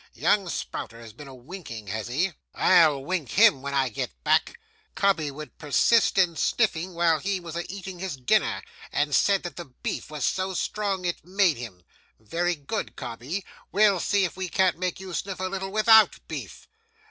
Young Sprouter has been a winking, has he? I'll wink him when I get back. "Cobbey would persist in sniffing while he was a eating his dinner, and said that the beef was so strong it made him." Very good, Cobbey, we'll see if we can't make you sniff a little without beef.